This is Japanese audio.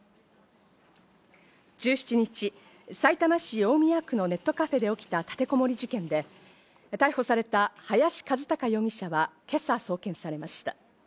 １７日、さいたま市大宮区のネットカフェで起きた立てこもり事件で、逮捕された林一貴容疑者は今朝、送検されました。